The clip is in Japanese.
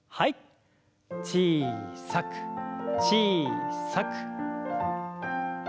小さく小さく。